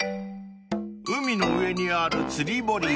［海の上にある釣り堀へ］